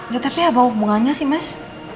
ya tapi ada hubungannya sih mas